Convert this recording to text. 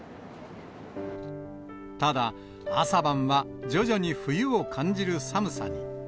ただ、朝晩は徐々に冬を感じる寒さに。